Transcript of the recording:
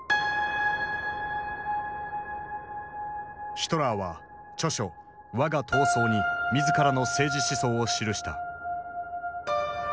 ヒトラーは著書「わが闘争」に自らの政治思想を記した。